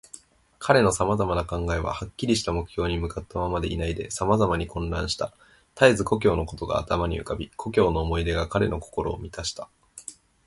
彼のさまざまな考えは、はっきりした目標に向ったままでいないで、さまざまに混乱した。たえず故郷のことが頭に浮かび、故郷の思い出が彼の心をみたした。